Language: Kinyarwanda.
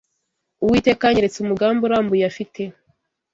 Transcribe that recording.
Uwiteka yanyeretse umugambi urambuye afite